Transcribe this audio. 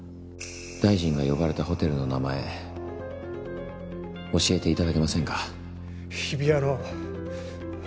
大臣が呼ばれたホテルの名前教えていただ